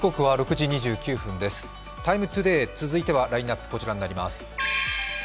「ＴＩＭＥ，ＴＯＤＡＹ」続いてはラインナップこちらになります。